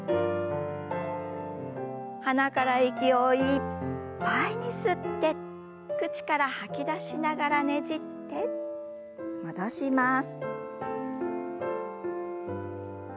鼻から息をいっぱいに吸って口から吐き出しながらねじって戻します。